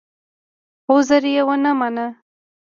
عرض یې ونه مانه.